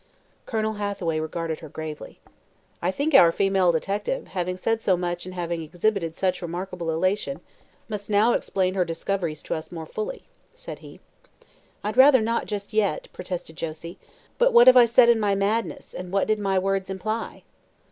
Colonel Hathaway regarded her gravely. "I think our female detective, having said so much and having exhibited such remarkable elation, must now explain her discoveries to us more fully," said he. "I'd rather not, just yet," protested Josie. "But what have I said in my madness, and what did my words imply?"